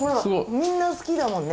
みんな好きだもんね